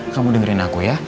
kamu dengerin aku ya